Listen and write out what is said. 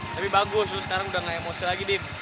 lebih bagus loh sekarang udah nggak emosi lagi dim